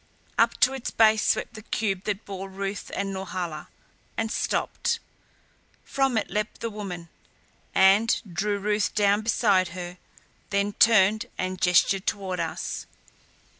Up to its base swept the cube that bore Ruth and Norhala and stopped. From it leaped the woman, and drew Ruth down beside her, then turned and gestured toward us.